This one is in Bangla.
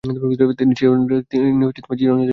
তিনি চিরনিদ্রায় শায়িত আছেন।